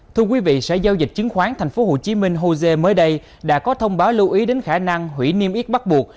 thưa quý vị sở giao dịch chứng khoán tp hcm hosea mới đây đã có thông báo lưu ý đến khả năng hủy niêm yết bắt buộc